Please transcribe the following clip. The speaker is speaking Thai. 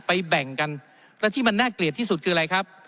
แบ่งกันและที่มันน่าเกลียดที่สุดคืออะไรครับ